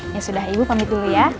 ya sudah ibu pamit dulu ya